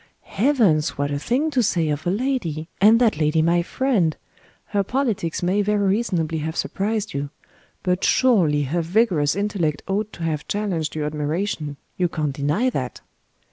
"Heavens, what a thing to say of a lady and that lady my friend! Her politics may very reasonably have surprised you. But surely her vigorous intellect ought to have challenged your admiration; you can't deny that?"